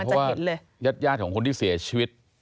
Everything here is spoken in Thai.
มันจะเห็นเลยครับเออเพราะว่ายาดของคนที่เสียชีวิต